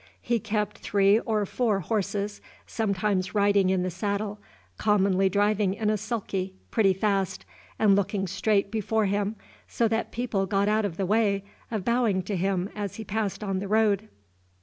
He kept three or four horses, sometimes riding in the saddle, commonly driving in a sulky, pretty fast, and looking straight before him, so that people got out of the way of bowing to him as he passed on the road.